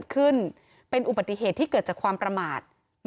หรือเป้นเรือนะครับ